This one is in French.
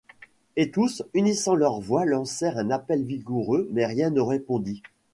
Et tous, unissant leurs voix, lancèrent un appel vigoureux, mais rien ne répondit